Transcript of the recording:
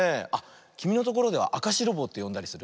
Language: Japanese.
きみのところでは「あかしろぼう」ってよんだりする？